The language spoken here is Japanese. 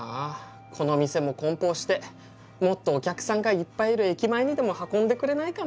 この店も梱包してもっとお客さんがいっぱいいる駅前にでも運んでくれないかな。